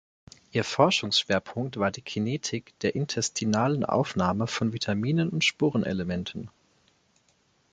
Ihr Forschungsschwerpunkt war die Kinetik der intestinalen Aufnahme von Vitaminen und Spurenelementen.